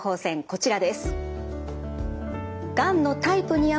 こちらです。